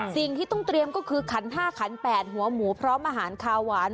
สิ่งที่ต้องเตรียมก็คือขัน๕ขัน๘หัวหมูพร้อมอาหารคาวหวาน